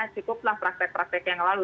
cukuplah praktek praktek yang lalu